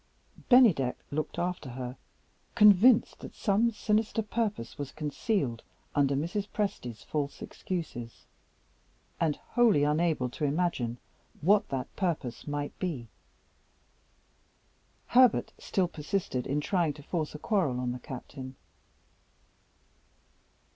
Bennydeck looked after her, convinced that some sinister purpose was concealed under Mrs. Presty's false excuses, and wholly unable to imagine what that purpose might be. Herbert still persisted in trying to force a quarrel on the Captain.